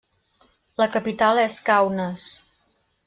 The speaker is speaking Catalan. La capital és Kaunas.